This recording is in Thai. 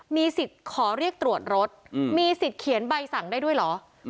มีสิทธิ์ขอเรียกตรวจรถมีสิทธิ์เขียนใบสั่งได้ด้วยเหรอ